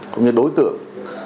cũng như đối tượng